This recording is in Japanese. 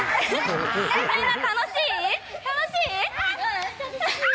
みんな楽しい？